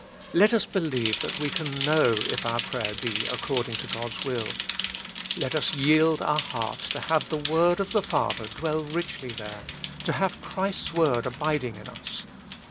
Let us believe that we caji know if our prayer be according to God's will. Let us yield our heart to have the word of the Father dwell richly there, to have Christ's word abiding in us.